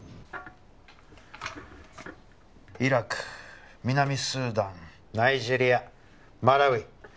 イラク南スーダンナイジェリアマラウイ